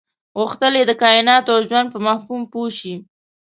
غوښتل یې د کایناتو او ژوند په مفهوم پوه شي.